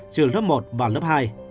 trừ lớp một và lớp hai